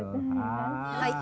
はい